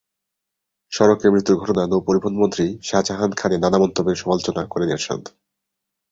সড়কে মৃত্যুর ঘটনায় নৌপরিবহনমন্ত্রী শাজাহান খানের নানা মন্তব্যের সমালোচনা করেন এরশাদ।